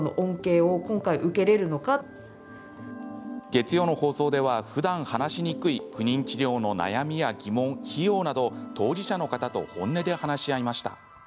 月曜の放送ではふだん話しにくい不妊治療の悩みや疑問、費用など当事者の方と本音で話し合いました。